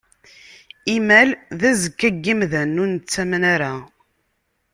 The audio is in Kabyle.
Imal d azekka n yimdanen ur nettamen ara.